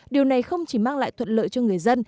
điều này không chỉ mang lại thuận lợi cho người dân